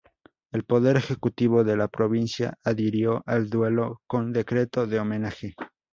El Poder Ejecutivo de la provincia adhirió al duelo, con decreto de homenaje.